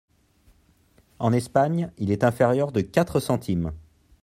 En Espagne, il est inférieur de quatre centimes.